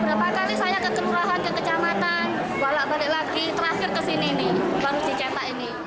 berapa kali saya ke kelurahan ke kecamatan bolak balik lagi terakhir ke sini nih baru dicetak ini